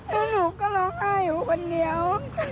แล้วหนูก็ร้องไห้อยู่คนเดียว